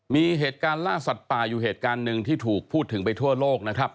มีเหตุการณ์ล่าสัตว์ป่าอยู่เหตุการณ์หนึ่งที่ถูกพูดถึงไปทั่วโลกนะครับ